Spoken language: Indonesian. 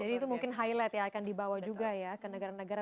jadi itu mungkin highlight ya akan dibawa juga ya ke negara negara